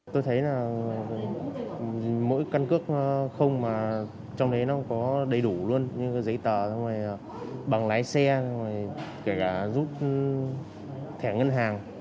tôi thấy là mỗi căn cước không mà trong đấy nó có đầy đủ luôn như cái giấy tờ bằng lái xe rồi kể cả giúp thẻ ngân hàng